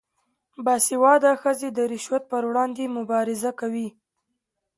باسواده ښځې د رشوت پر وړاندې مبارزه کوي.